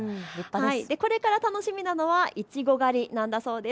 今、旬なのは小松菜、これから楽しみなのはいちご狩りなんだそうです。